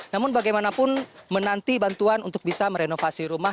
namun bagaimanapun menanti bantuan untuk bisa merenovasi rumah